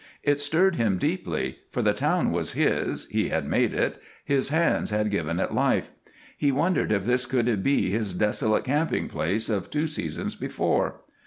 It stirred him deeply, for the town was his, he had made it, his hands had given it life. He wondered if this could be his desolate camping place of two seasons before.